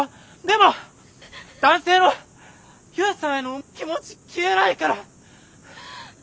でも男性の悠さんへの気持ち消えないから。